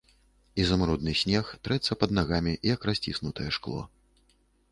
Ізумрудны снег трэцца пад нагамі, як расціснутае шкло.